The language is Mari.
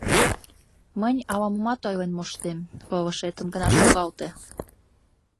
— Мынь ала-момат ойлен моштем — пылышетым гына шогалте.